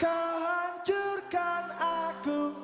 kau hancurkan aku